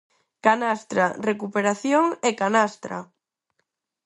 Canastra, recuperación e canastra.